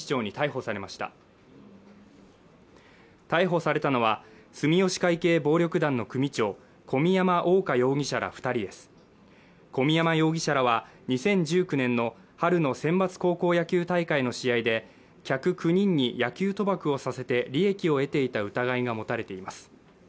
逮捕されたのは住吉会系暴力団の組長小宮山欧果容疑者ら二人です小宮山容疑者らは２０１９年の春の選抜高校野球大会の試合で客９人に野球賭博をさせて利益を得ていた疑いが持たれています